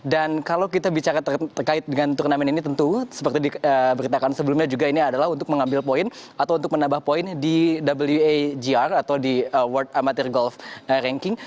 dan kalau kita bicara terkait dengan turnamen ini tentu seperti diberitakan sebelumnya juga ini adalah untuk mengambil poin atau untuk menambah poin di wagr atau di world amateur golf ranking